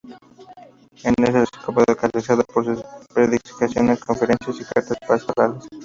En el episcopado se caracterizó por sus predicaciones, conferencias y cartas pastorales.